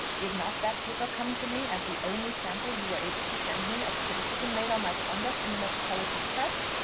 Did not that paper come to me as the only sample you were able to send me of criticism made on my conduct in the metropolitan press?